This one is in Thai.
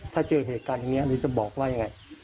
ถ้าเจอเหตุการณ์อย่างนี้หรือจะบอกว่ายังไง